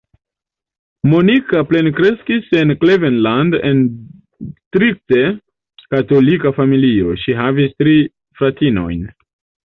Monica plenkreskis en Cleveland en strikte katolika familio, ŝi havas tri fratinojn.